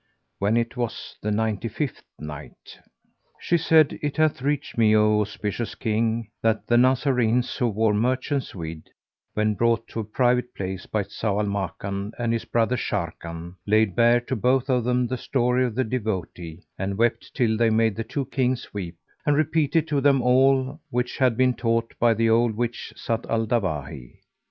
When it was the Ninety fifth Night, She said, It hath reached me, O auspicious King, that the Nazarenes who wore merchants' weed, when brought to a private place by Zau al Makan and his brother Sharrkan, laid bare to both of them the story of the devotee and wept till they made the two Kings weep and repeated to them all which had been taught by the old witch Zat al Dawahi.